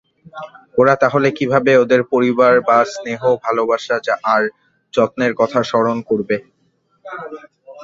ওরা তাহলে কীভাবে ওদের পরিবার বা স্নেহ-ভালবাসা আর যত্নের কথা স্মরণ করবে?